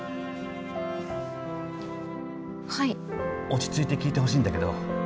落ち着いて聞いてほしいんだけど。